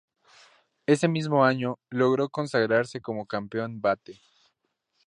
Ese mismo año, logró consagrarse como campeón bate.